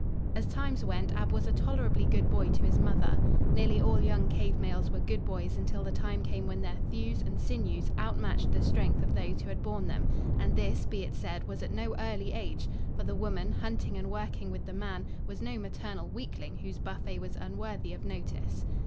As times went, Ab was a tolerably good boy to his mother. Nearly all young cave males were good boys until the time came when their thews and sinews outmatched the strength of those who had borne them, and this, be it said, was at no early age, for the woman, hunting and working with the man, was no maternal weakling whose buffet was unworthy of notice.